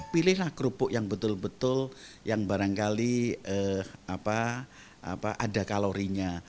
pilihlah kerupuk yang betul betul yang barangkali ada kalorinya